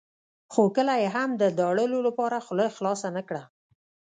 خو کله یې هم د داړلو لپاره خوله خلاصه نه کړه.